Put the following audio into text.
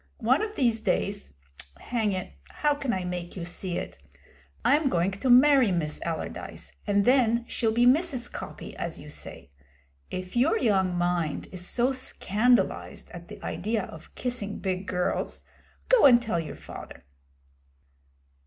One of these days hang it, how can I make you see it! I'm going to marry Miss Allardyce, and then she'll be Mrs. Coppy, as you say. If your young mind is so scandalised at the idea of kissing big girls, go and tell your father.'